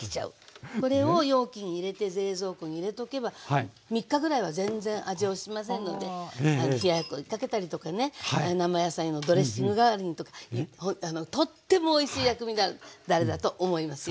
これを容器に入れて冷蔵庫に入れとけば３日ぐらいは全然味落ちませんので冷ややっこにかけたりとかね生野菜のドレッシング代わりにとかとってもおいしい薬味だれだと思いますよ。